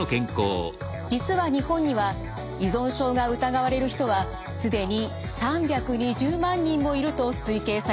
実は日本には依存症が疑われる人は既に３２０万人もいると推計されています。